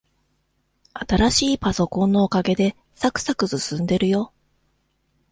新しいパソコンのおかげで、さくさく進んでるよ。